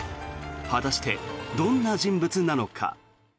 果たして、どんな人物なのか。